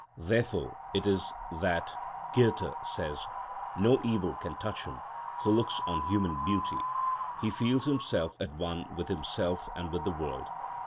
Therefore it is that Goethe says: "No evil can touch him who looks on human beauty; he feels himself at one with himself and with the world."